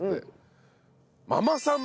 ママさん